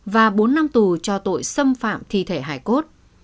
và bốn năm tù cho tội xâm phạm thi thể hải cốt